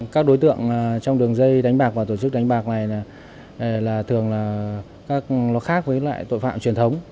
các đối tượng trong đường dây đánh bạc và tổ chức đánh bạc này là thường là các nó khác với loại tội phạm truyền thống